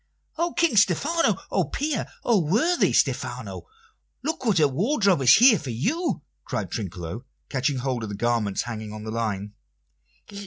"O King Stephano! O peer! O worthy Stephano! Look what a wardrobe is here for you!" cried Trinculo, catching hold of the garments hanging on the line.